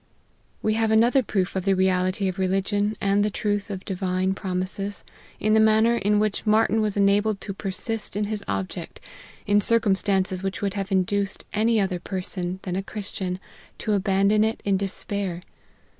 We have another proof of the reality of religion, and the truth of the Divine promises, in the manner in which Martyn was enabled to persist in his object, in circumstances which would have induced any other person, than a Christian, to abandon it in despair.